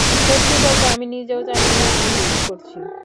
সত্যি বলতে, আমি নিজেও জানি না আমি কী করছি।